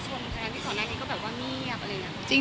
เพราะฉะนั้นที่สอนด้านนี้ก็แบบว่าเมียบอะไรอย่างนี้